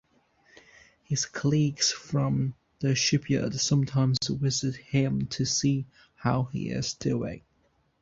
His colleagues from the shipyard sometimes visit him to see how he is doing.